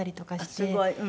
すごい。